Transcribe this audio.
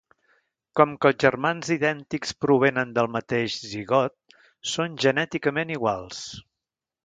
Com que els germans idèntics provenen del mateix zigot, són genèticament iguals.